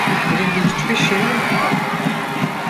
Elinde hiçbir şey yok.